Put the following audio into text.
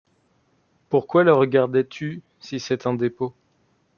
Pourquoi la regardais-tu, si c’est un dépôt?